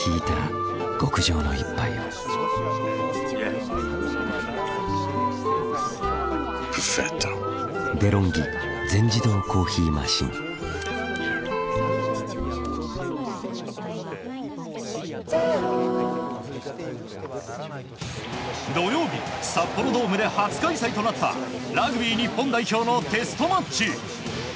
ひろうって偉大だな土曜日、札幌ドームで初開催となったラグビー日本代表のテストマッチ。